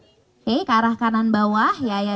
oke ke arah kanan bawah yaya